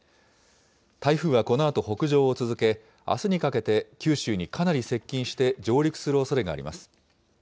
台風はこのあと北上を続け、あすにかけて九州にかなり接近して上陸するおそれがあります。